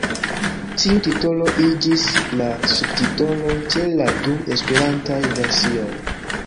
Tiu titolo iĝis la subtitolo ĉe la du esperantaj versioj.